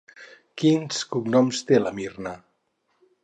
Quins cognoms té la Mirna?